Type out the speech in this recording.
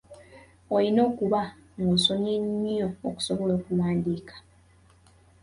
Olina okuba ng'osomye nnyo okusobola okuwandiika.